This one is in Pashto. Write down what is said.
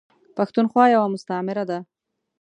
پښتونخوا یوه مستعمیره ده .